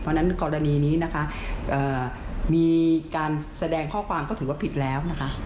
เพราะฉะนั้นกรณีนี้นะคะมีการแสดงข้อความก็ถือว่าผิดแล้วนะคะ